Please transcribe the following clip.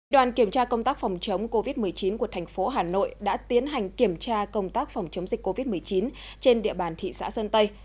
đoàn kiểm tra công tác phòng chống covid một mươi chín của thành phố hà nội đã tiến hành kiểm tra công tác phòng chống dịch covid một mươi chín trên địa bàn thị xã sơn tây